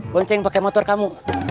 boncing pakai motor kamu